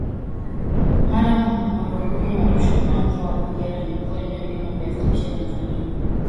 Mara Morogoro Arusha Mwanza na Kagera ni mikoa inayolima viazi lishe tanzania